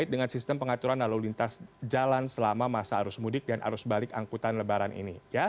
dengan sistem pengaturan lalu lintas jalan selama masa arus mudik dan arus balik angkutan lebaran ini